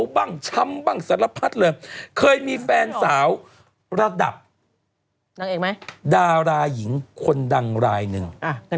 เดี๋ยวบ้างช้ำบ้างสารพัดเลยเคยมีแฟนสาวระดับดาราหญิงคนดังรายหนึ่ง